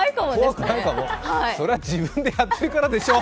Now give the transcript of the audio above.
それは自分でやってるからでしょ！